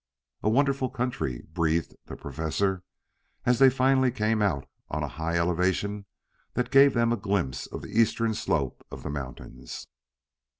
"A wonderful country," breathed the Professor, as they finally came out on a high elevation that gave them a glimpse of the eastern slope of the mountains.